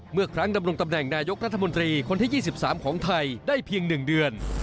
เมื่อครั้งดำรงตำแหน่งนายกรัฐมนตรีคนที่๒๓ของไทยได้เพียง๑เดือน